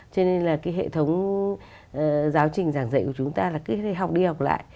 cho nên là cái hệ thống giáo trình giảng dạy của chúng ta là cứ học đi học lại